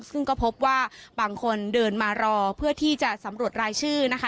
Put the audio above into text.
ซึ่งก็พบว่าบางคนเดินมารอเพื่อที่จะสำรวจรายชื่อนะคะ